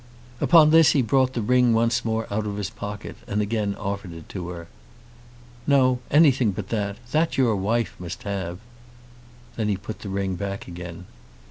Upon this he brought the ring once more out of his pocket and again offered it to her. "No; anything but that. That your wife must have." Then he put the ring back again.